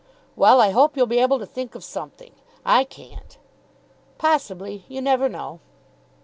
"Well, I hope you'll be able to think of something. I can't." "Possibly. You never know."